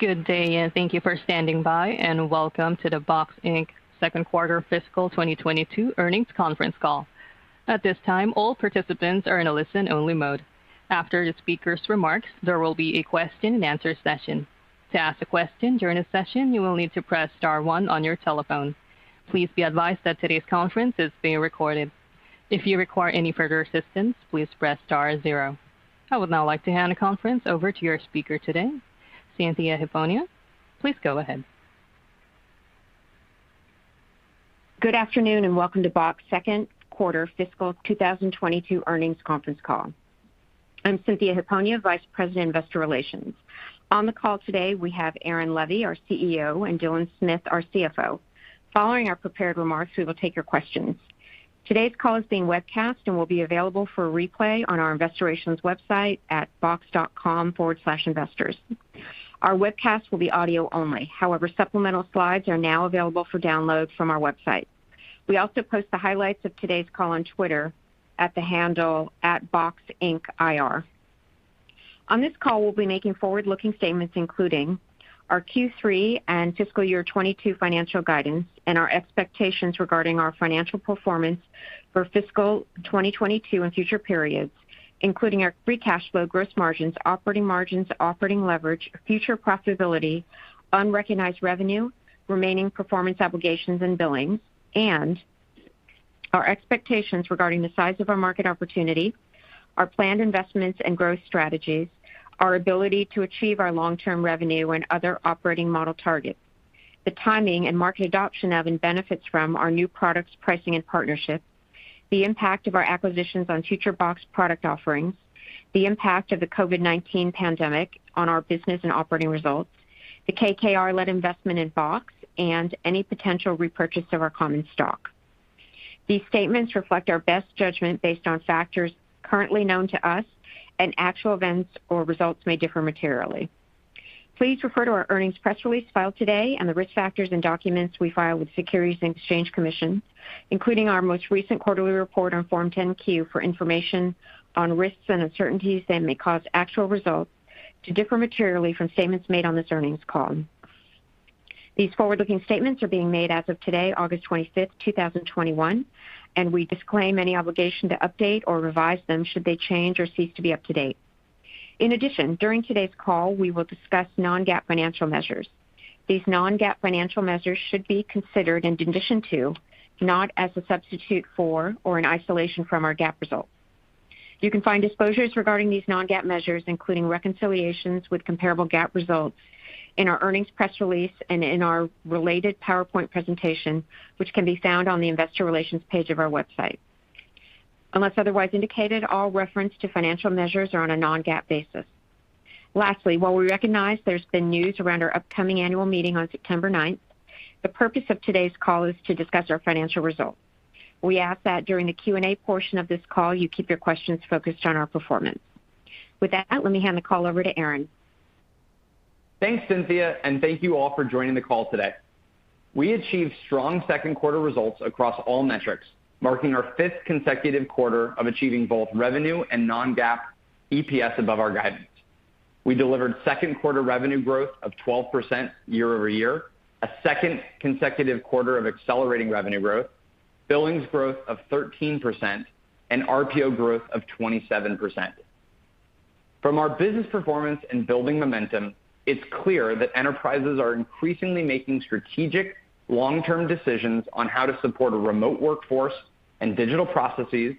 Good day, and thank you for standing by, and welcome to the Box, Inc. second quarter fiscal 2022 earnings conference call. At this time all participants are in a listen only mode. After the speaker's remarks, there will be a question-and -answer session. To ask a question during a session, you'll need to press star one on your telephone. Please be advised that today's conference is being recorded. If you require any further assistance, please press star zero. I would now like to hand the conference over to your speaker today, Cynthia Hiponia. Please go ahead. Good afternoon. Welcome to Box second quarter fiscal 2022 earnings conference call. I'm Cynthia Hiponia, Vice President, Investor Relations. On the call today, we have Aaron Levie, our CEO, and Dylan Smith, our CFO. Following our prepared remarks, we will take your questions. Today's call is being webcast and will be available for replay on our investor relations website at box.com/investors. Our webcast will be audio only. However, supplemental slides are now available for download from our website. We also post the highlights of today's call on Twitter at the handle @BoxIncIR. On this call, we'll be making forward-looking statements, including our Q3 and fiscal year 2022 financial guidance and our expectations regarding our financial performance for fiscal 2022 and future periods, including our free cash flow, gross margins, operating margins, operating leverage, future profitability, unrecognized revenue, remaining performance obligations and billings, and our expectations regarding the size of our market opportunity, our planned investments and growth strategies, our ability to achieve our long-term revenue and other operating model targets, the timing and market adoption of and benefits from our new products, pricing, and partnerships, the impact of our acquisitions on future Box product offerings, the impact of the COVID-19 pandemic on our business and operating results, the KKR-led investment in Box, and any potential repurchase of our common stock. These statements reflect our best judgment based on factors currently known to us, and actual events or results may differ materially. Please refer to our earnings press release filed today and the Risk Factors and documents we filed with Securities and Exchange Commission, including our most recent Quarterly Report on Form 10-Q for information on risks and uncertainties that may cause actual results to differ materially from statements made on this earnings call. We disclaim any obligation to update or revise them should they change or cease to be up to date. In addition, during today's call, we will discuss non-GAAP financial measures. These non-GAAP financial measures should be considered in addition to, not as a substitute for or in isolation from our GAAP results. You can find disclosures regarding these non-GAAP measures, including reconciliations with comparable GAAP results in our earnings press release and in our related PowerPoint presentation, which can be found on the investor relations page of our website. Unless otherwise indicated, all reference to financial measures are on a non-GAAP basis. Lastly, while we recognize there's been news around our upcoming annual meeting on September 9th, the purpose of today's call is to discuss our financial results. We ask that during the Q&A portion of this call, you keep your questions focused on our performance. With that, let me hand the call over to Aaron. Thanks, Cynthia, and thank you all for joining the call today. We achieved strong second quarter results across all metrics, marking our fifth consecutive quarter of achieving both revenue and non-GAAP EPS above our guidance. We delivered second quarter revenue growth of 12% year-over-year, a second consecutive quarter of accelerating revenue growth, billings growth of 13%, and RPO growth of 27%. From our business performance and building momentum, it's clear that enterprises are increasingly making strategic long-term decisions on how to support a remote workforce and digital processes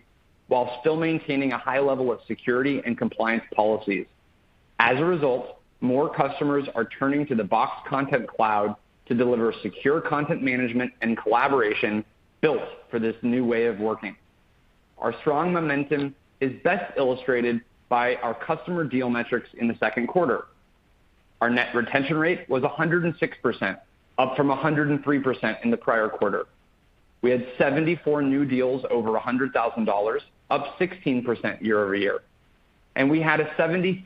while still maintaining a high level of security and compliance policies. As a result, more customers are turning to the Box Content Cloud to deliver secure content management and collaboration built for this new way of working. Our strong momentum is best illustrated by our customer deal metrics in the second quarter. Our net retention rate was 106%, up from 103% in the prior quarter. We had 74 new deals over $100,000, up 16% year-over-year, and we had a 73%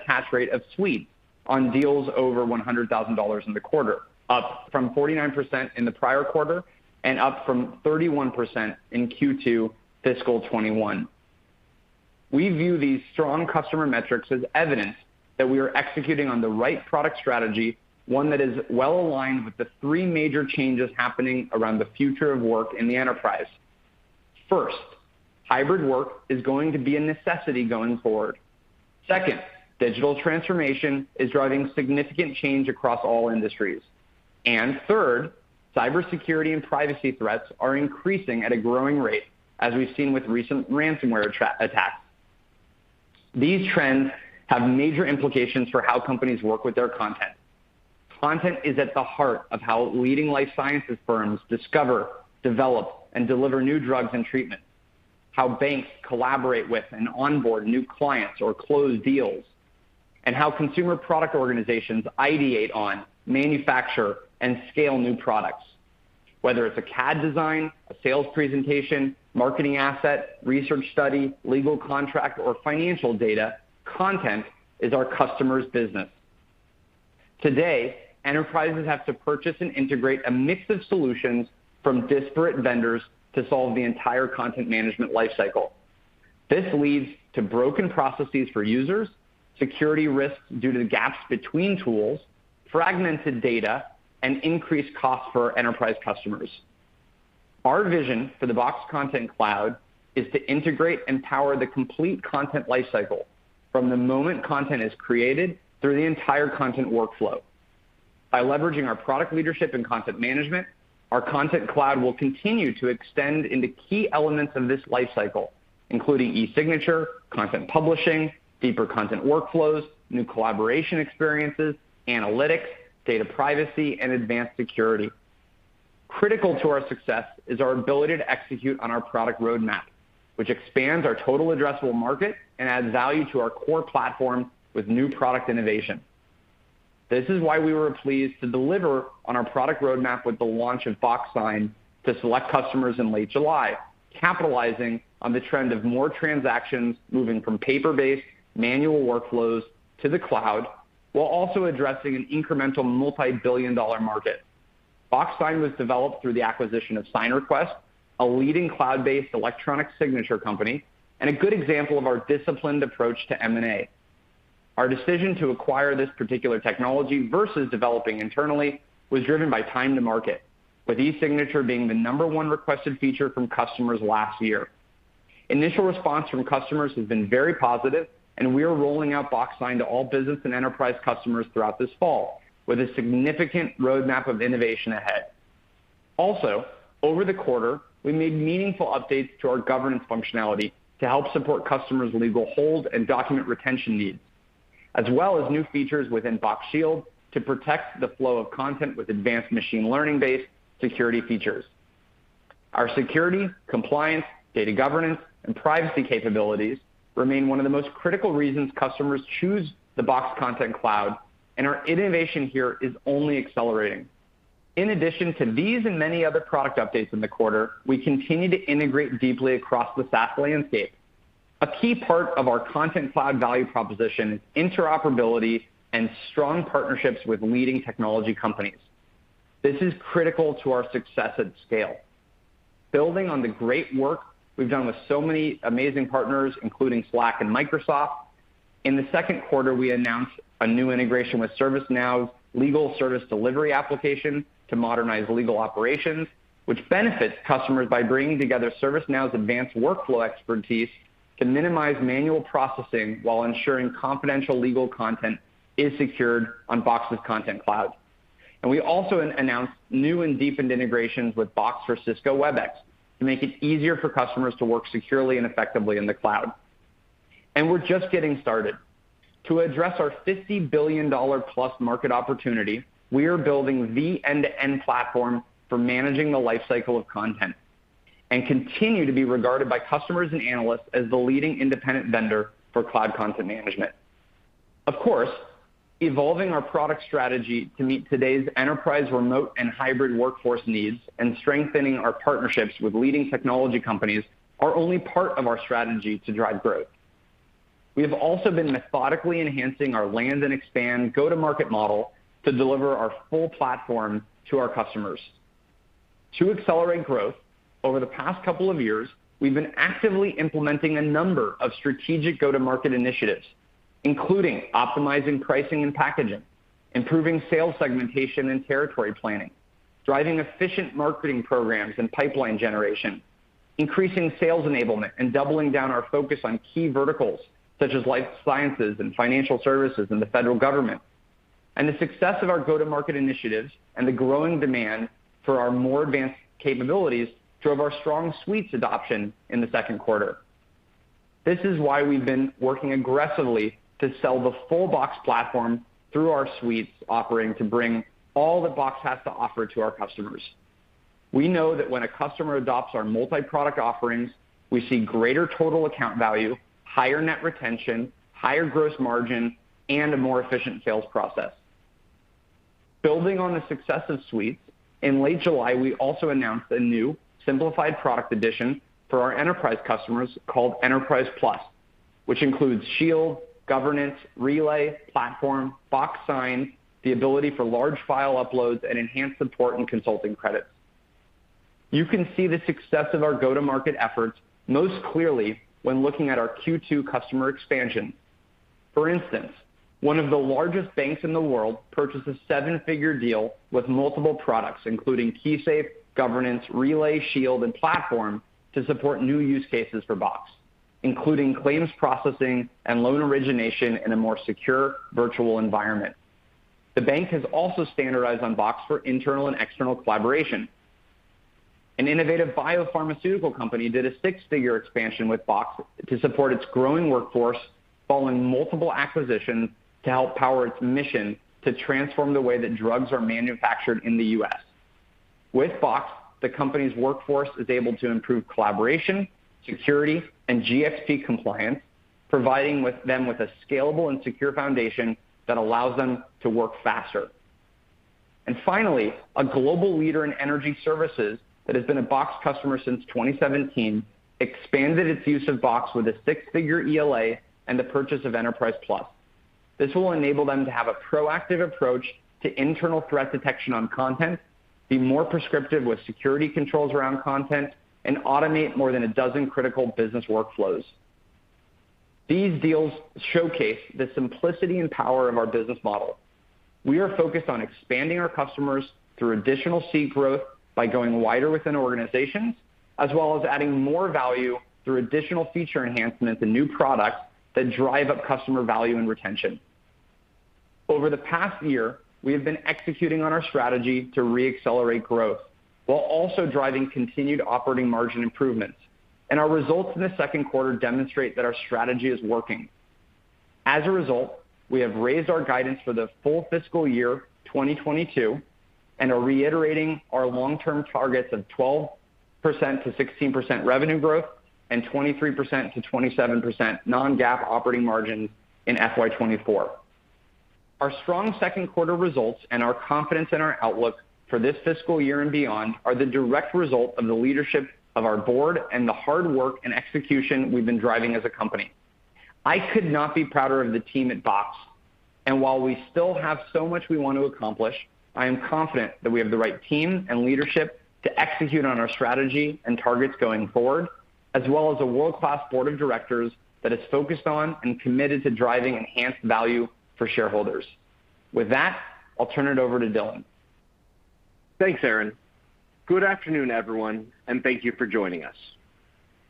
attach rate of Suites on deals over $100,000 in the quarter, up from 49% in the prior quarter and up from 31% in Q2 Fiscal 2021. We view these strong customer metrics as evidence that we are executing on the right product strategy, one that is well aligned with the three major changes happening around the future of work in the enterprise. First, hybrid work is going to be a necessity going forward. Second, digital transformation is driving significant change across all industries. Third, cybersecurity and privacy threats are increasing at a growing rate, as we've seen with recent ransomware attacks. These trends have major implications for how companies work with their content. Content is at the heart of how leading life sciences firms discover, develop, and deliver new drugs and treatments, how banks collaborate with and onboard new clients or close deals, and how consumer product organizations ideate on, manufacture, and scale new products. Whether it's a CAD design, a sales presentation, marketing asset, research study, legal contract, or financial data, content is our customers' business. Today, enterprises have to purchase and integrate a mix of solutions from disparate vendors to solve the entire content management life cycle. This leads to broken processes for users, security risks due to the gaps between tools, fragmented data, and increased costs for our enterprise customers. Our vision for the Box Content Cloud is to integrate and power the complete content life cycle from the moment content is created through the entire content workflow. By leveraging our product leadership and content management, our Content Cloud will continue to extend into key elements of this life cycle, including e-signature, content publishing, deeper content workflows, new collaboration experiences, analytics, data privacy, and advanced security. Critical to our success is our ability to execute on our product roadmap, which expands our total addressable market and adds value to our core platform with new product innovation. This is why we were pleased to deliver on our product roadmap with the launch of Box Sign to select customers in late July, capitalizing on the trend of more transactions moving from paper-based manual workflows to the cloud, while also addressing an incremental multi-billion-dollar market. Box Sign was developed through the acquisition of SignRequest, a leading cloud-based electronic signature company, and a good example of our disciplined approach to M&A. Our decision to acquire this particular technology versus developing internally was driven by time to market, with e-signature being the number one requested feature from customers last year. Initial response from customers has been very positive, and we are rolling out Box Sign to all business and enterprise customers throughout this fall, with a significant roadmap of innovation ahead. Also, over the quarter, we made meaningful updates to our governance functionality to help support customers' legal hold and document retention needs, as well as new features within Box Shield to protect the flow of content with advanced machine learning-based security features. Our security, compliance, data governance, and privacy capabilities remain one of the most critical reasons customers choose the Box Content Cloud, and our innovation here is only accelerating. In addition to these and many other product updates in the quarter, we continue to integrate deeply across the SaaS landscape. A key part of our Content Cloud value proposition, interoperability, and strong partnerships with leading technology companies. This is critical to our success at scale. Building on the great work we've done with so many amazing partners, including Slack and Microsoft, in the second quarter, we announced a new integration with ServiceNow's Legal Service Delivery application to modernize legal operations, which benefits customers by bringing together ServiceNow's advanced workflow expertise to minimize manual processing while ensuring confidential legal content is secured on Box's Content Cloud. We also announced new and deepened integrations with Box for Cisco Webex to make it easier for customers to work securely and effectively in the cloud. We're just getting started. To address our $50 billion-plus market opportunity, we are building the end-to-end platform for managing the life cycle of content and continue to be regarded by customers and analysts as the leading independent vendor for cloud content management. Of course, evolving our product strategy to meet today's enterprise remote and hybrid workforce needs and strengthening our partnerships with leading technology companies are only part of our strategy to drive growth. We have also been methodically enhancing our go-to-market model to deliver our full platform to our customers. To accelerate growth, over the past couple of years, we've been actively implementing a number of strategic go-to-market initiatives, including optimizing pricing and packaging, improving sales segmentation and territory planning, driving efficient marketing programs and pipeline generation, increasing sales enablement, and doubling down our focus on key verticals such as life sciences and financial services and the federal government. The success of our go-to-market initiatives and the growing demand for our more advanced capabilities drove our strong Suites adoption in the second quarter. This is why we've been working aggressively to sell the full Box Platform through our Suites offering to bring all that Box has to offer to our customers. We know that when a customer adopts our multi-product offerings, we see greater total account value, higher net retention, higher gross margin, and a more efficient sales process. Building on the success of Suites, in late July, we also announced a new simplified product edition for our enterprise customers called Enterprise Plus, which includes Shield, Governance, Relay, Platform, Box Sign, the ability for large file uploads, and enhanced support and consulting credits. You can see the success of our go-to-market efforts most clearly when looking at our Q2 customer expansion. For instance, one of the largest banks in the world purchased a seven-figure deal with multiple products, including KeySafe, Governance, Relay, Shield, and Platform to support new use cases for Box, including claims processing and loan origination in a more secure virtual environment. The bank has also standardized on Box for internal and external collaboration. An innovative biopharmaceutical company did a six-figure expansion with Box to support its growing workforce following multiple acquisitions to help power its mission to transform the way that drugs are manufactured in the U.S. With Box, the company's workforce is able to improve collaboration, security, and GxP compliance, providing them with a scalable and secure foundation that allows them to work faster. Finally, a global leader in energy services that has been a Box customer since 2017 expanded its use of Box with a six-figure ELA and the purchase of Enterprise Plus. This will enable them to have a proactive approach to internal threat detection on content, be more prescriptive with security controls around content, and automate more than a dozen critical business workflows. These deals showcase the simplicity and power of our business model. We are focused on expanding our customers through additional seat growth by going wider within organizations, as well as adding more value through additional feature enhancements and new products that drive up customer value and retention. Over the past year, we have been executing on our strategy to re-accelerate growth while also driving continued operating margin improvements, and our results in the second quarter demonstrate that our strategy is working. As a result, we have raised our guidance for the full fiscal year 2022 and are reiterating our long-term targets of 12%-16% revenue growth and 23%-27% non-GAAP operating margin in FY 2024. Our strong second quarter results and our confidence in our outlook for this fiscal year and beyond are the direct result of the leadership of our board and the hard work and execution we've been driving as a company. I could not be prouder of the team at Box, and while we still have so much we want to accomplish, I am confident that we have the right team and leadership to execute on our strategy and targets going forward, as well as a world-class Board of Directors that is focused on and committed to driving enhanced value for shareholders. With that, I'll turn it over to Dylan. Thanks, Aaron. Good afternoon, everyone, and thank you for joining us.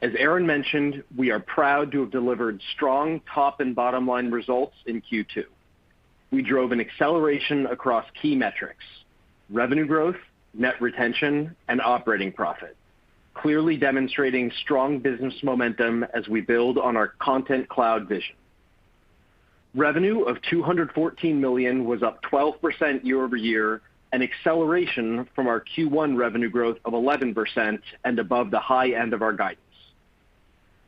As Aaron mentioned, we are proud to have delivered strong top and bottom-line results in Q2. We drove an acceleration across key metrics, revenue growth, net retention, and operating profit, clearly demonstrating strong business momentum as we build on our Content Cloud vision. Revenue of $214 million was up 12% year-over-year, an acceleration from our Q1 revenue growth of 11% and above the high end of our guidance.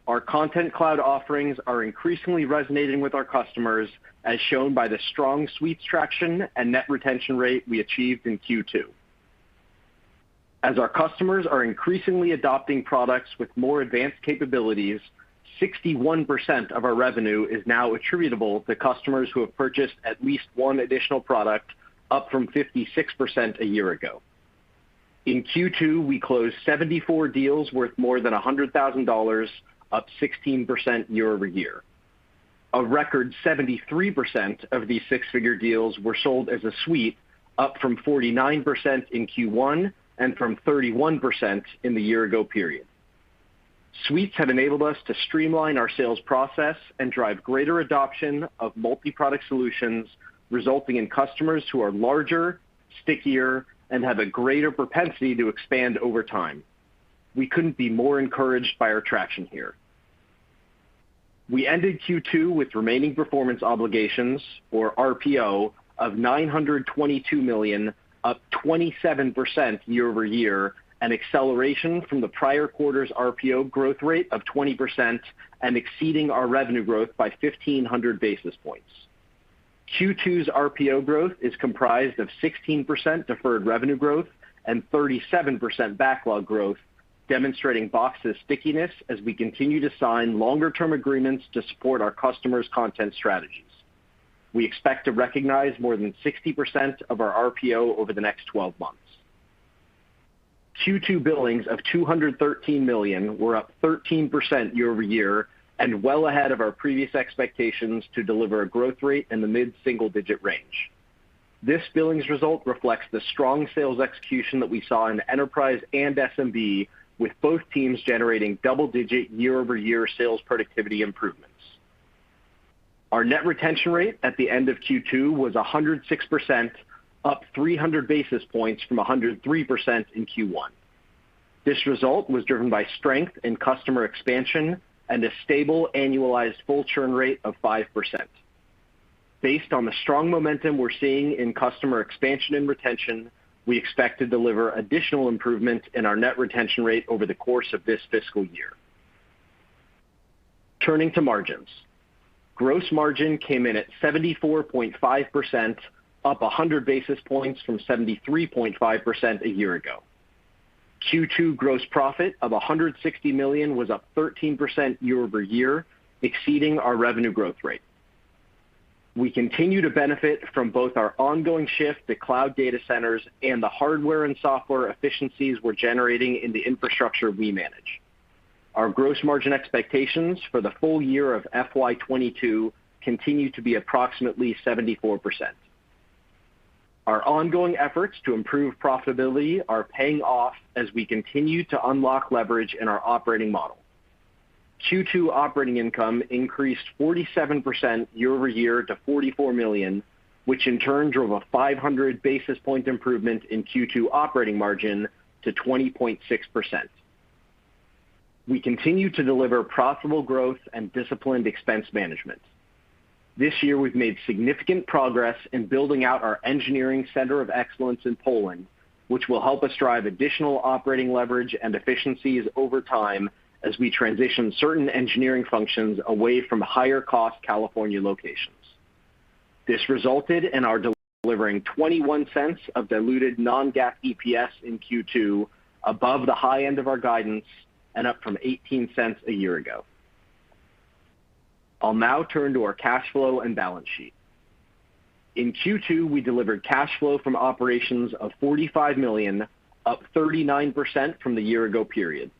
Our Content Cloud offerings are increasingly resonating with our customers, as shown by the strong Suites traction and net retention rate we achieved in Q2. As our customers are increasingly adopting products with more advanced capabilities, 61% of our revenue is now attributable to customers who have purchased at least one additional product, up from 56% a year ago. In Q2, we closed 74 deals worth more than $100,000, up 16% year-over-year. A record 73% of these six-figure deals were sold as a Suite, up from 49% in Q1 and from 31% in the year-ago period. Suites have enabled us to streamline our sales process and drive greater adoption of multi-product solutions, resulting in customers who are larger, stickier, and have a greater propensity to expand over time. We couldn't be more encouraged by our traction here. We ended Q2 with remaining performance obligations, or RPO, of $922 million, up 27% year-over-year, an acceleration from the prior quarter's RPO growth rate of 20% and exceeding our revenue growth by 1,500 basis points. Q2's RPO growth is comprised of 16% deferred revenue growth and 37% backlog growth, demonstrating Box's stickiness as we continue to sign longer-term agreements to support our customers' content strategies. We expect to recognize more than 60% of our RPO over the next 12 months. Q2 billings of $213 million were up 13% year-over-year and well ahead of our previous expectations to deliver a growth rate in the mid-single-digit range. This billings result reflects the strong sales execution that we saw in enterprise and SMB, with both teams generating double-digit year-over-year sales productivity improvements. Our net retention rate at the end of Q2 was 106%, up 300 basis points from 103% in Q1. This result was driven by strength in customer expansion and a stable annualized full churn rate of 5%. Based on the strong momentum we're seeing in customer expansion and retention, we expect to deliver additional improvements in our net retention rate over the course of this fiscal year. Turning to margins. Gross margin came in at 74.5%, up 100 basis points from 73.5% a year ago. Q2 gross profit of $160 million was up 13% year-over-year, exceeding our revenue growth rate. We continue to benefit from both our ongoing shift to cloud data centers and the hardware and software efficiencies we're generating in the infrastructure we manage. Our gross margin expectations for the full-year of FY 2022 continue to be approximately 74%. Our ongoing efforts to improve profitability are paying off as we continue to unlock leverage in our operating model. Q2 operating income increased 47% year-over-year to $44 million, which in turn drove a 500-basis point improvement in Q2 operating margin to 20.6%. We continue to deliver profitable growth and disciplined expense management. This year, we've made significant progress in building out our engineering center of excellence in Poland, which will help us drive additional operating leverage and efficiencies over time as we transition certain engineering functions away from higher-cost California locations. This resulted in our delivering $0.21 of diluted non-GAAP EPS in Q2, above the high end of our guidance and up from $0.18 a year-ago. I'll now turn to our cash flow and balance sheet. In Q2, we delivered cash flow from operations of $45 million, up 39% from the year-ago period.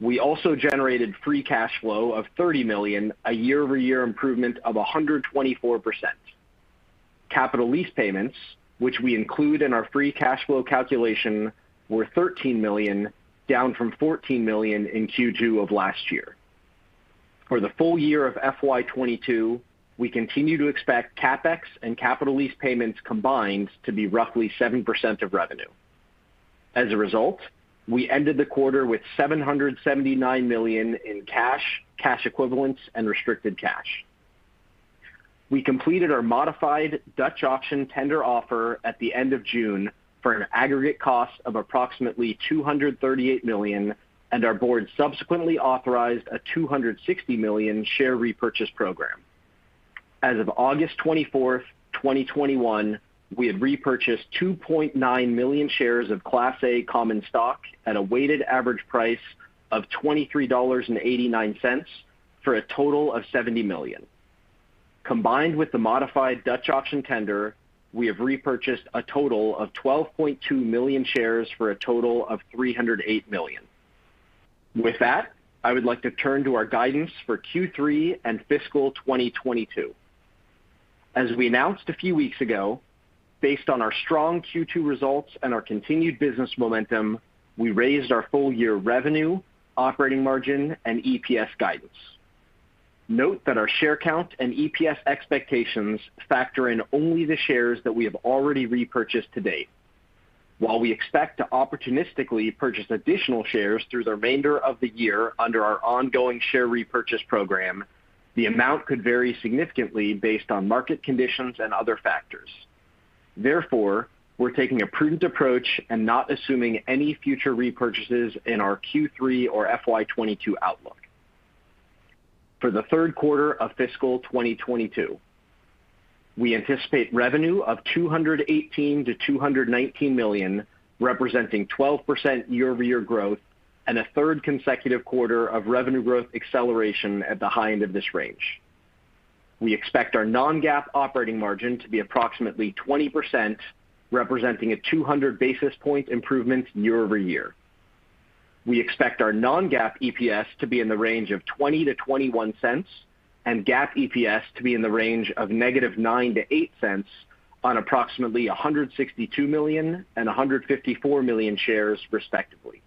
We also generated free cash flow of $30 million, a year-over-year improvement of 124%. Capital lease payments, which we include in our free cash flow calculation, were $13 million, down from $14 million in Q2 of last year. For the full-year of FY 2022, we continue to expect CapEx and capital lease payments combined to be roughly 7% of revenue. As a result, we ended the quarter with $779 million in cash equivalents, and restricted cash. We completed our modified Dutch auction tender offer at the end of June for an aggregate cost of approximately $238 million, and our board subsequently authorized a $260 million share repurchase program. As of August 24th, 2021, we had repurchased 2.9 million shares of Class A common stock at a weighted average price of $23.89 for a total of $70 million. Combined with the modified Dutch auction tender, we have repurchased a total of 12.2 million shares for a total of $308 million. With that, I would like to turn to our guidance for Q3 and Fiscal 2022. As we announced a few weeks ago, based on our strong Q2 results and our continued business momentum, we raised our full-year revenue, operating margin, and EPS guidance. Note that our share count and EPS expectations factor in only the shares that we have already repurchased to date. While we expect to opportunistically purchase additional shares through the remainder of the year under our ongoing share repurchase program, the amount could vary significantly based on market conditions and other factors. Therefore, we're taking a prudent approach and not assuming any future repurchases in our Q3 or FY 2022 outlook. For the third quarter of Fiscal 2022, we anticipate revenue of $218 million-$219 million, representing 12% year-over-year growth and a third consecutive quarter of revenue growth acceleration at the high end of this range. We expect our non-GAAP operating margin to be approximately 20%, representing a 200-basis point improvement year-over-year. We expect our non-GAAP EPS to be in the range of $0.20-$0.21, and GAAP EPS to be in the range of -$0.09 to $0.08 on approximately 162 million and 154 million shares respectively.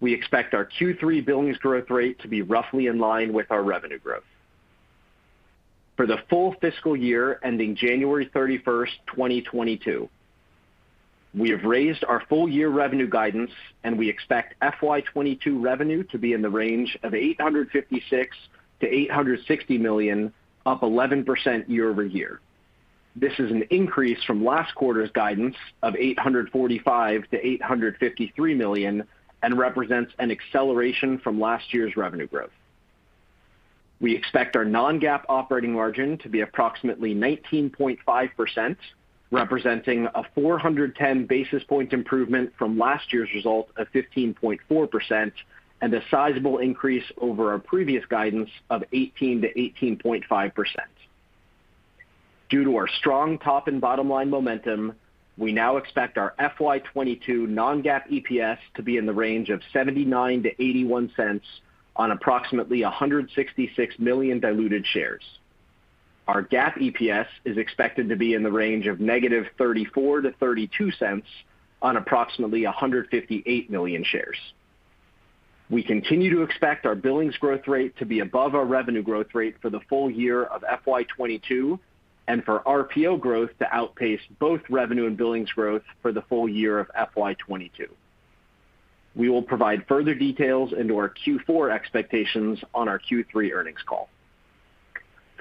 We expect our Q3 billings growth rate to be roughly in line with our revenue growth. For the full fiscal year ending January 31st, 2022, we have raised our full-year revenue guidance, and we expect FY 2022 revenue to be in the range of $856 million-$860 million, up 11% year-over-year. This is an increase from last quarter's guidance of $845 million-$853 million and represents an acceleration from last year's revenue growth. We expect our non-GAAP operating margin to be approximately 19.5%, representing a 410-basis point improvement from last year's result of 15.4% and a sizable increase over our previous guidance of 18%-18.5%. Due to our strong top and bottom line momentum, we now expect our FY 2022 non-GAAP EPS to be in the range of $0.79-$0.81 on approximately 166 million diluted shares. Our GAAP EPS is expected to be in the range of -$0.34 to -$0.32 on approximately 158 million shares. We continue to expect our billings growth rate to be above our revenue growth rate for the full-year of FY 2022 and for RPO growth to outpace both revenue and billings growth for the full-year of FY 2022. We will provide further details into our Q4 expectations on our Q3 earnings call.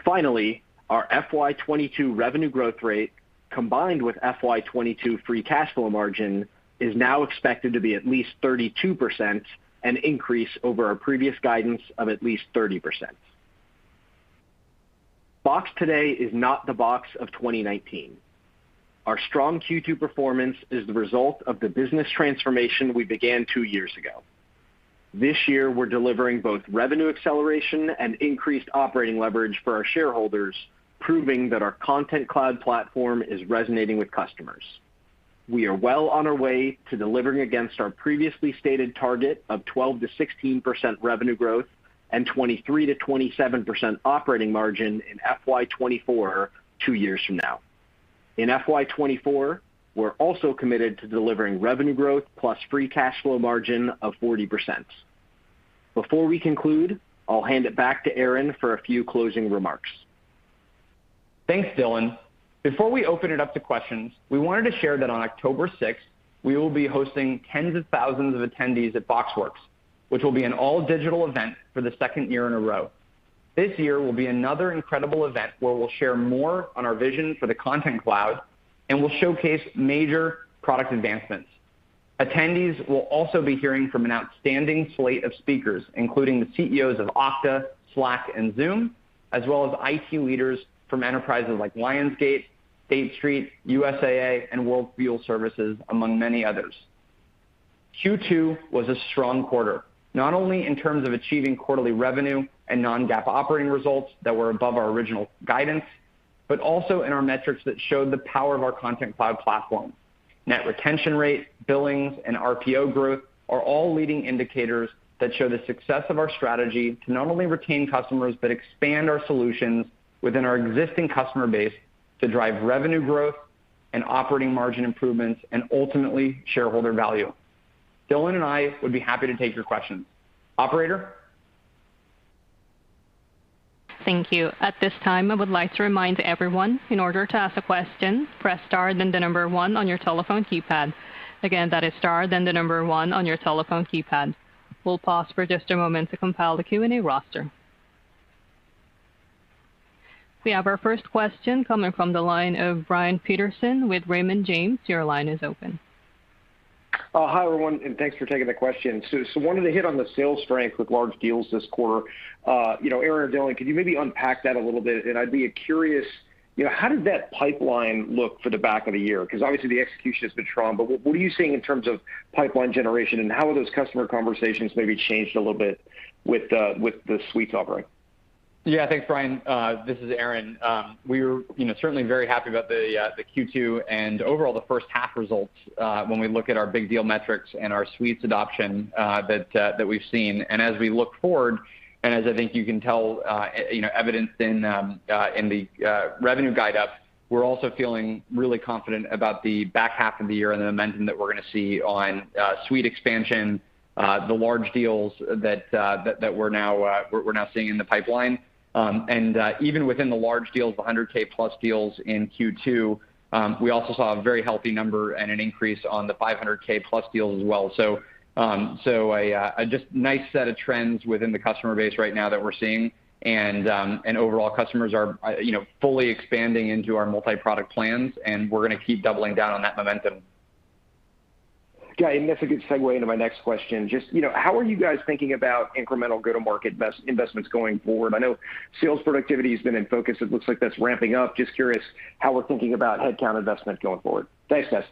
Finally, our FY 2022 revenue growth rate, combined with FY 2022 free cash flow margin, is now expected to be at least 32%, an increase over our previous guidance of at least 30%. Box today is not the Box of 2019. Our strong Q2 performance is the result of the business transformation we began two years ago. This year, we're delivering both revenue acceleration and increased operating leverage for our shareholders, proving that our Content Cloud platform is resonating with customers. We are well on our way to delivering against our previously stated target of 12%-16% revenue growth and 23%-27% operating margin in FY24, two years from now. In FY24, we're also committed to delivering revenue growth plus free cash flow margin of 40%. Before we conclude, I'll hand it back to Aaron for a few closing remarks. Thanks, Dylan. Before we open it up to questions, we wanted to share that on October 6th, we will be hosting tens of thousands of attendees at BoxWorks, which will be an all-digital event for the second year in a row. This year will be another incredible event where we'll share more on our vision for the Content Cloud, and we'll showcase major product advancements. Attendees will also be hearing from an outstanding slate of speakers, including the CEOs of Okta, Slack, and Zoom, as well as IT leaders from enterprises like Lionsgate, State Street, USAA, and World Fuel Services, among many others. Q2 was a strong quarter, not only in terms of achieving quarterly revenue and non-GAAP operating results that were above our original guidance, but also in our metrics that showed the power of our Content Cloud platform. Net retention rate, billings, and RPO growth are all leading indicators that show the success of our strategy to not only retain customers, but expand our solutions within our existing customer base to drive revenue growth and operating margin improvements, and ultimately, shareholder value. Dylan and I would be happy to take your questions. Operator? Thank you. At this time, I would like to remind everyone, in order to ask a question, press star and then number one on your telephone keypad. That is star, then nmber one on your telephone keypad. We'll pause for just a moment to compile the Q&A roster. We have our first question coming from the line of Brian Peterson with Raymond James. Your line is open. Hi, everyone, and thanks for taking the question. Wanted to hit on the sales strength with large deals this quarter. Aaron or Dylan, could you maybe unpack that a little bit? I'd be curious, how did that pipeline look for the back of the year? Obviously the execution has been strong, but what are you seeing in terms of pipeline generation, and how have those customer conversations maybe changed a little bit with the Suites offering? Thanks, Brian. This is Aaron. We're certainly very happy about the Q2 and overall the first half results, when we look at our big deal metrics and our Suites adoption that we've seen. As we look forward, as I think you can tell, evidenced in the revenue guide up, we're also feeling really confident about the back half of the year and the momentum that we're going to see on Suite expansion, the large deals that we're now seeing in the pipeline. Even within the large deals, the $100,000+ deals in Q2, we also saw a very healthy number and an increase on the $500,000+ deals as well. A just nice set of trends within the customer base right now that we're seeing. Overall, customers are fully expanding into our multi-product plans, and we're going to keep doubling down on that momentum. Okay. That's a good segue into my next question. Just how are you guys thinking about incremental go-to-market investments going forward? I know sales productivity has been in focus. It looks like that's ramping up. Just curious how we're thinking about headcount investment going forward. Thanks, guys.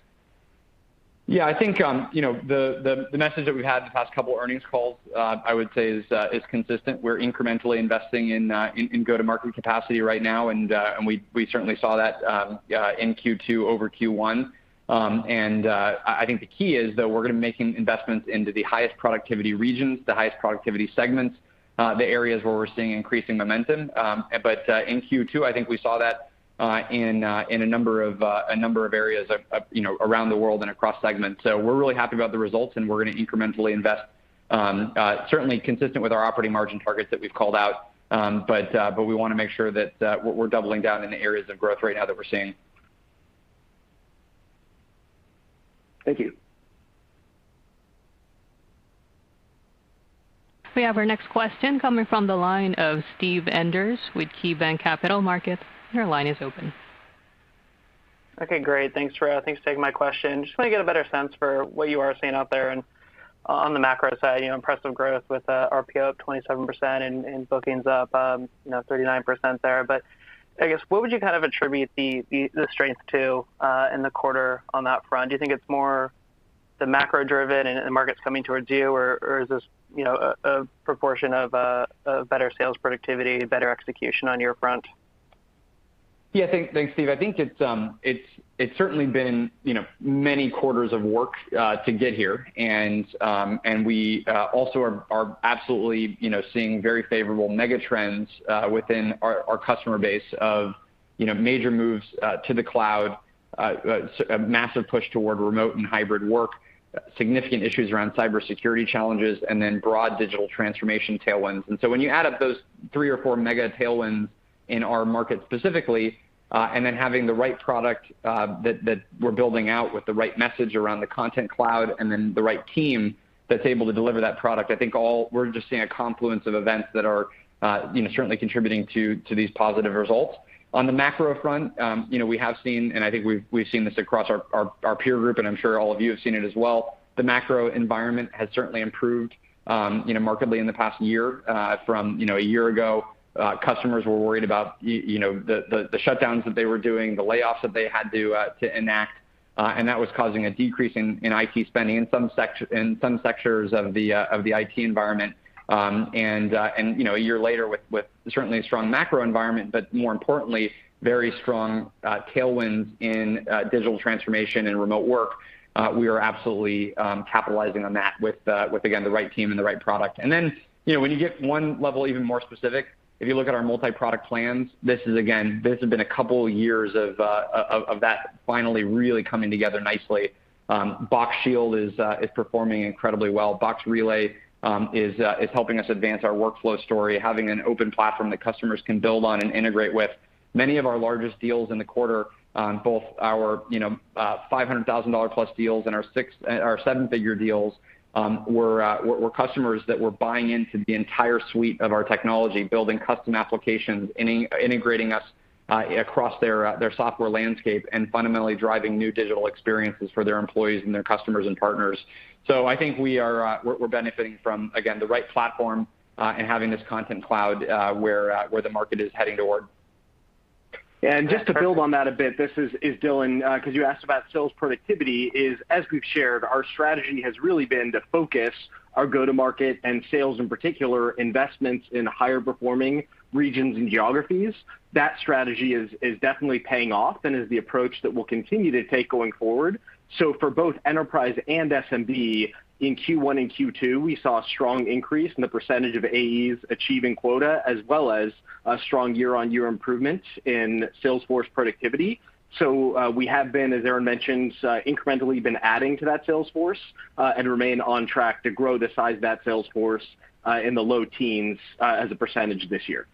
Yeah, I think the message that we've had the past couple earnings calls, I would say is consistent. We're incrementally investing in go-to-market capacity right now, and we certainly saw that in Q2 over Q1. I think the key is, though, we're going to be making investments into the highest productivity regions, the highest productivity segments, the areas where we're seeing increasing momentum. In Q2, I think we saw that in a number of areas around the world and across segments. We're really happy about the results, and we're going to incrementally invest, certainly consistent with our operating margin targets that we've called out. We want to make sure that we're doubling down in the areas of growth right now that we're seeing. Thank you. We have our next question coming from the line of Steve Enders with KeyBanc Capital Markets. Your line is open. Okay, great. Thanks for taking my question. Just want to get a better sense for what you are seeing out there on the macro side. Impressive growth with RPO up 27% and bookings up 39% there. I guess, what would you kind of attribute the strength to in the quarter on that front? Do you think it's more the macro-driven and the market's coming towards you, or is this a proportion of better sales productivity, better execution on your front? Thanks, Steve. I think it's certainly been many quarters of work to get here, and we also are absolutely seeing very favorable mega trends within our customer base of major moves to the cloud, a massive push toward remote and hybrid work, significant issues around cybersecurity challenges, and then broad digital transformation tailwinds. When you add up those three or four mega tailwinds in our market specifically, and then having the right product that we're building out with the right message around the Content Cloud, and then the right team that's able to deliver that product, I think all we're just seeing a confluence of events that are certainly contributing to these positive results. On the macro front, we have seen, and I think we've seen this across our peer group, and I'm sure all of you have seen it as well, the macro environment has certainly improved markedly in the past year. From a year ago, customers were worried about the shutdowns that they were doing, the layoffs that they had to enact. That was causing a decrease in IT spending in some sectors of the IT environment. A year later, with certainly a strong macro environment, but more importantly, very strong tailwinds in digital transformation and remote work, we are absolutely capitalizing on that with, again, the right team and the right product. Then, when you get one level even more specific, if you look at our multi-product plans, this is again, this has been couple of years of that finally really coming together nicely. Box Shield is performing incredibly well. Box Relay is helping us advance our workflow story, having an open platform that customers can build on and integrate with. Many of our largest deals in the quarter, both our $500,000+ deals and our seven-figure deals, were customers that were buying into the entire Suites of our technology, building custom applications, integrating us across their software landscape and fundamentally driving new digital experiences for their employees and their customers and partners. I think we're benefiting from, again, the right platform, and having this Content Cloud where the market is heading toward. Just to build on that a bit, this is Dylan, because you asked about sales productivity is, as we've shared, our strategy has really been to focus our go-to-market and sales, in particular, investments in higher-performing regions and geographies. That strategy is definitely paying off and is the approach that we'll continue to take going forward. For both enterprise and SMB, in Q1 and Q2, we saw a strong increase in the percentage of AEs achieving quota, as well as a strong year-on-year improvement in Salesforce productivity. We have been, as Aaron mentioned, incrementally been adding to that Salesforce, and remain on track to grow the size of that Salesforce, in the low teens, as a percentage this year.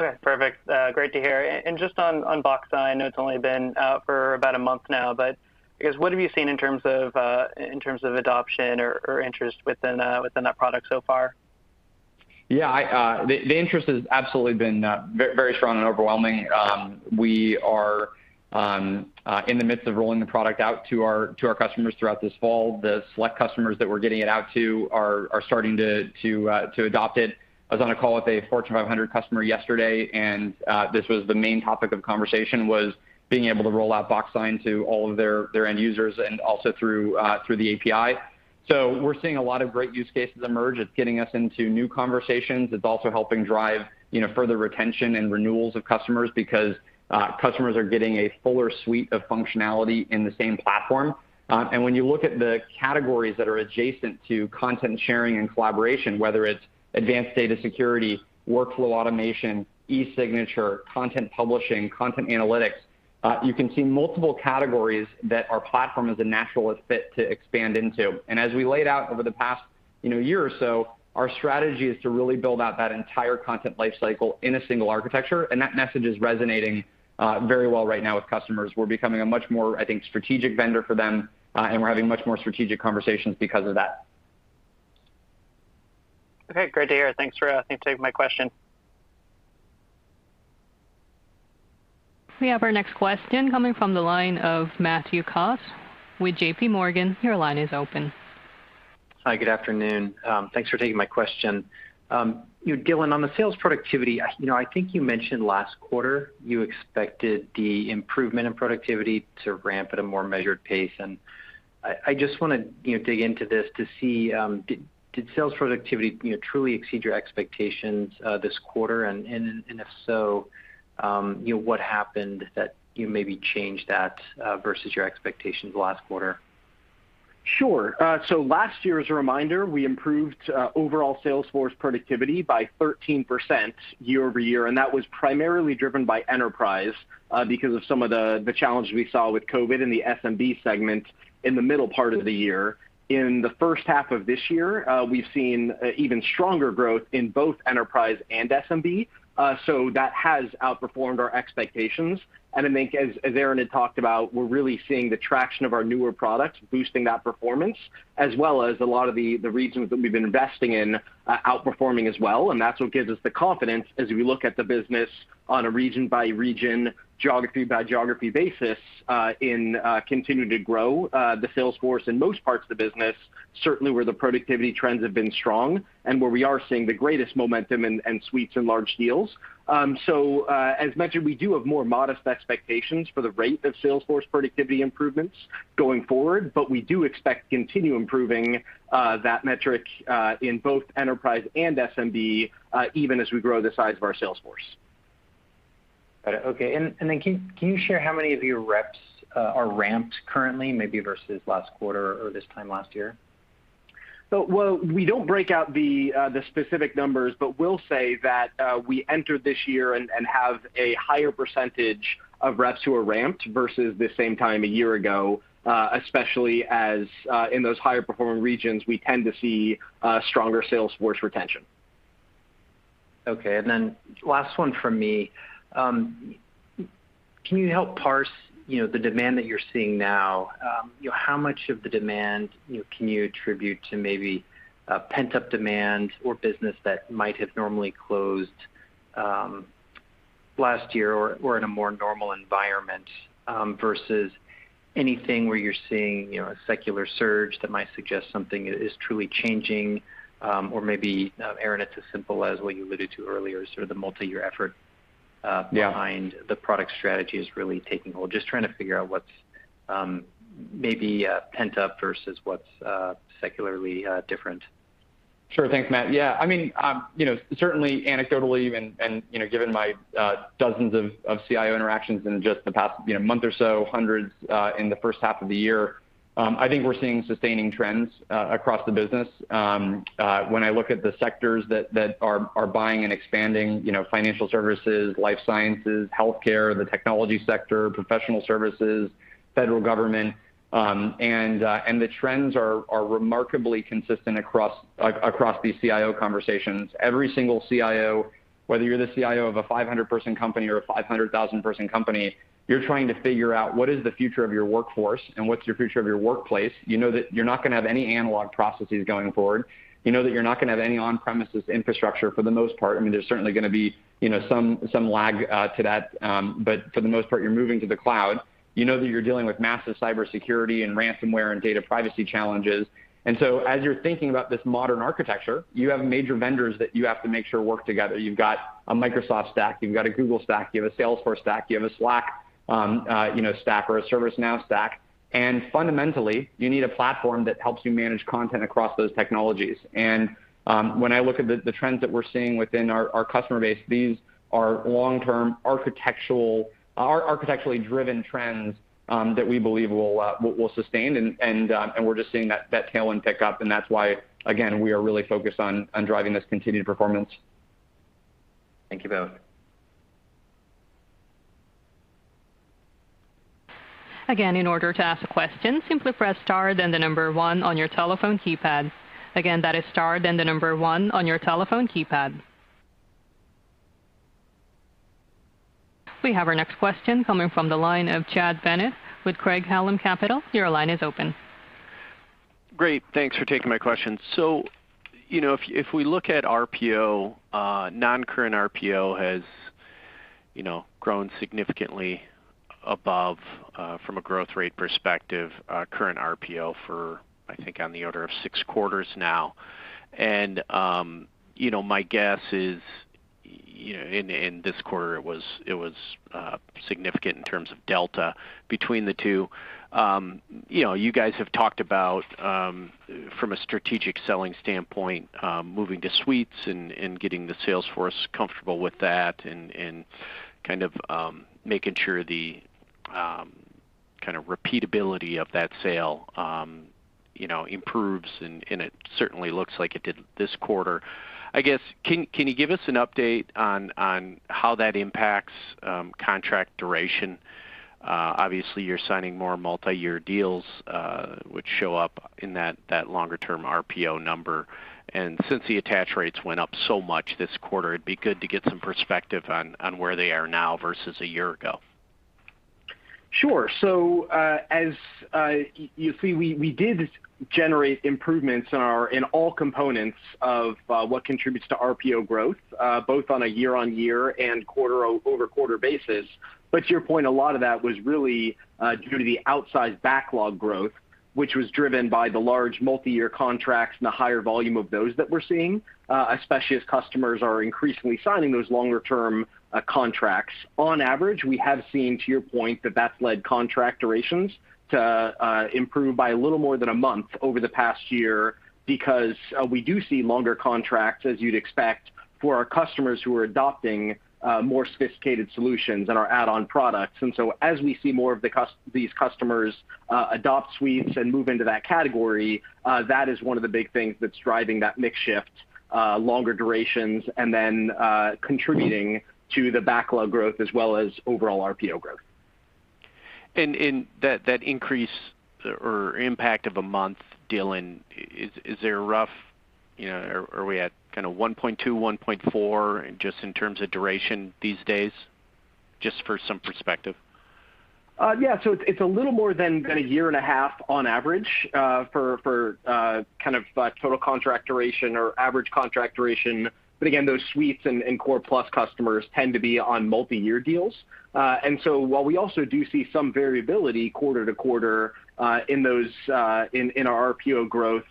Okay, perfect. Great to hear. Just on Box Sign, I know it's only been out for about a month now, but I guess, what have you seen in terms of adoption or interest within that product so far? Yeah. The interest has absolutely been very strong and overwhelming. We are in the midst of rolling the product out to our customers throughout this fall. The select customers that we're getting it out to are starting to adopt it. I was on a call with a Fortune 500 customer yesterday. This was the main topic of conversation, was being able to roll out Box Sign to all of their end users and also through the API. We're seeing a lot of great use cases emerge. It's getting us into new conversations. It's also helping drive further retention and renewals of customers because customers are getting a fuller suite of functionality in the same platform. When you look at the categories that are adjacent to content sharing and collaboration, whether it's advanced data security, workflow automation, e-signature, content publishing, content analytics, you can see multiple categories that our platform is a natural fit to expand into. As we laid out over the past year or so, our strategy is to really build out that entire content life cycle in a single architecture, and that message is resonating very well right now with customers. We're becoming a much more, I think, strategic vendor for them, and we're having much more strategic conversations because of that. Okay, great to hear. Thanks for taking my question. We have our next question coming from the line of Matthew Coss with JPMorgan. Your line is open. Hi, good afternoon. Thanks for taking my question. Dylan, on the sales productivity, I think you mentioned last quarter you expected the improvement in productivity to ramp at a more measured pace. I just want to dig into this to see, did sales productivity truly exceed your expectations this quarter? If so, what happened that you maybe changed that versus your expectations last quarter? Sure. Last year, as a reminder, we improved overall Salesforce productivity by 13% year-over-year. That was primarily driven by enterprise because of some of the challenges we saw with COVID in the SMB segment in the middle part of the year. In the first half of this year, we've seen even stronger growth in both enterprise and SMB. That has outperformed our expectations. I think as Aaron had talked about, we're really seeing the traction of our newer products boosting that performance, as well as a lot of the regions that we've been investing in outperforming as well, and that's what gives us the confidence as we look at the business on a region-by-region, geography-by-geography basis in continuing to grow the sales force in most parts of the business, certainly where the productivity trends have been strong, and where we are seeing the greatest momentum in Suites and large deals. As mentioned, we do have more modest expectations for the rate of sales force productivity improvements going forward, but we do expect to continue improving that metric, in both enterprise and SMB, even as we grow the size of our sales force. Got it. Okay. Can you share how many of your reps are ramped currently, maybe versus last quarter or this time last year? While we don't break out the specific numbers, but will say that we entered this year and have a higher percentage of reps who are ramped versus this same time a year ago, especially as in those higher-performing regions, we tend to see stronger sales force retention. Okay, last one from me. Can you help parse the demand that you're seeing now? How much of the demand can you attribute to maybe pent-up demand or business that might have normally closed last year, or in a more normal environment, versus anything where you're seeing a secular surge that might suggest something is truly changing? Maybe, Aaron, it's as simple as what you alluded to earlier, sort of the multi-year effort. Yeah behind the product strategy is really taking hold. Just trying to figure out what's maybe pent-up versus what's secularly different. Sure. Thanks, Matthew. Yeah. Certainly anecdotally, given my dozens of CIO interactions in just the past month or so, hundreds in the first half of the year, I think we're seeing sustaining trends across the business. When I look at the sectors that are buying and expanding, financial services, life sciences, healthcare, the technology sector, professional services, federal government, and the trends are remarkably consistent across these CIO conversations. Every single CIO, whether you're the CIO of a 500-person company or a 500,000-person company, you're trying to figure out what is the future of your workforce and what's your future of your workplace. You know that you're not going to have any analog processes going forward. You know that you're not going to have any on-premises infrastructure for the most part. There's certainly going to be some lag to that, but for the most part, you're moving to the cloud. You know that you're dealing with massive cybersecurity and ransomware and data privacy challenges. As you're thinking about this modern architecture, you have major vendors that you have to make sure work together. You've got a Microsoft stack, you've got a Google stack, you have a Salesforce stack, you have a Slack. On Okta stack or a ServiceNow stack. Fundamentally, you need a platform that helps you manage content across those technologies. When I look at the trends that we're seeing within our customer base, these are long-term, architecturally driven trends that we believe will sustain. We're just seeing that tailwind pick up, and that's why, again, we are really focused on driving this continued performance. Thank you both. Again, in order to ask a question, simply press star, then the number one on your telephone keypad. Again, that is star, then the number one on your telephone keypad. We have our next question coming from the line of Chad Bennett with Craig-Hallum Capital. Your line is open. Great. Thanks for taking my question. If we look at RPO, non-current RPO has grown significantly above, from a growth rate perspective, current RPO for, I think, on the order of six quarters now. My guess is in this quarter, it was significant in terms of delta between the two. You guys have talked about, from a strategic selling standpoint, moving to Suites and getting the sales force comfortable with that and making sure the repeatability of that sale improves, and it certainly looks like it did this quarter. Can you give us an update on how that impacts contract duration? Obviously, you're signing more multi-year deals, which show up in that longer-term RPO number. Since the attach rates went up so much this quarter, it'd be good to get some perspective on where they are now versus a year ago. Sure. As you see, we did generate improvements in all components of what contributes to RPO growth, both on a year-on-year and quarter-over-quarter basis. To your point, a lot of that was really due to the outsized backlog growth, which was driven by the large multi-year contracts and the higher volume of those that we're seeing, especially as customers are increasingly signing those longer-term contracts. On average, we have seen, to your point, that that's led contract durations to improve by a little more than a month over the past year because we do see longer contracts, as you'd expect, for our customers who are adopting more sophisticated solutions and our add-on products. As we see more of these customers adopt Suites and move into that category, that is one of the big things that's driving that mix shift, longer durations, and then contributing to the backlog growth as well as overall RPO growth. That increase or impact of a month, Dylan, are we at 1.2, 1.4, just in terms of duration these days? Just for some perspective. Yeah. It's a little more than a year and a half on average for total contract duration or average contract duration. Again, those Suites and core plus customers tend to be on multi-year deals. While we also do see some variability quarter-to-quarter in our RPO growth,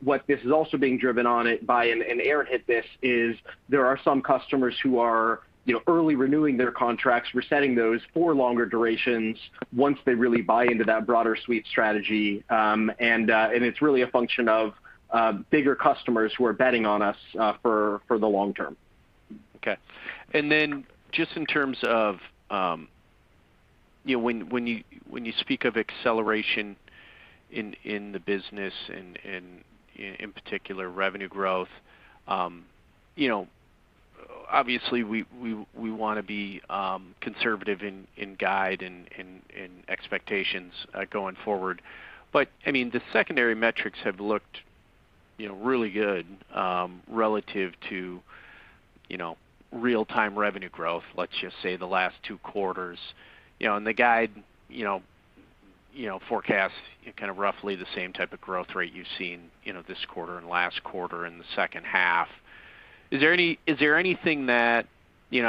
what this is also being driven on it by, and Aaron hit this, is there are some customers who are early renewing their contracts, resetting those for longer durations once they really buy into that broader Suite strategy. It's really a function of bigger customers who are betting on us for the long-term. Okay. Just in terms of when you speak of acceleration in the business, in particular revenue growth, obviously we want to be conservative in guide and expectations going forward. The secondary metrics have looked really good relative to real-time revenue growth, let's just say the last two quarters. The guide forecasts roughly the same type of growth rate you've seen this quarter and last quarter in the second half. I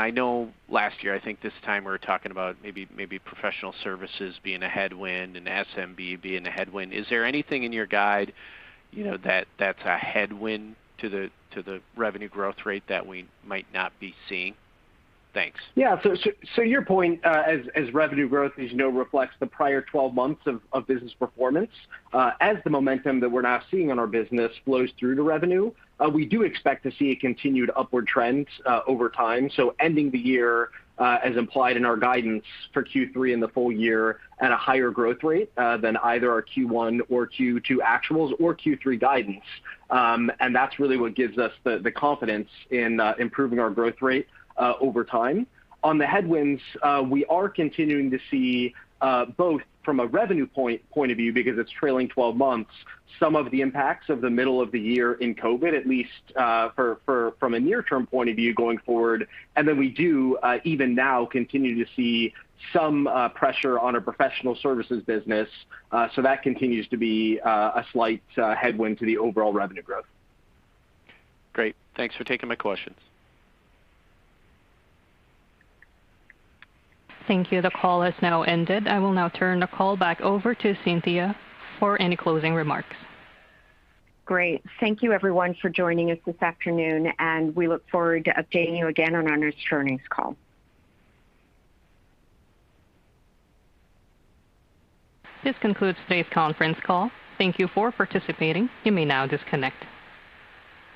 know last year, I think this time we were talking about maybe professional services being a headwind and SMB being a headwind. Is there anything in your guide that's a headwind to the revenue growth rate that we might not be seeing? Thanks Your point, as revenue growth, as you know, reflects the prior 12 months of business performance. As the momentum that we're now seeing in our business flows through to revenue, we do expect to see a continued upward trend over time. Ending the year, as implied in our guidance for Q3 and the full-year at a higher growth rate than either our Q1 or Q2 actuals or Q3 guidance. That's really what gives us the confidence in improving our growth rate over time. On the headwinds, we are continuing to see both from a revenue point of view, because it's trailing 12 months, some of the impacts of the middle of the year in COVID, at least from a near-term point of view going forward. Then we do, even now, continue to see some pressure on our professional services business. That continues to be a slight headwind to the overall revenue growth. Great. Thanks for taking my questions. Thank you. The call has now ended. I will now turn the call back over to Cynthia for any closing remarks. Great. Thank you everyone for joining us this afternoon. We look forward to updating you again on our next earnings call. This concludes today's conference call. Thank you for participating. You may now disconnect.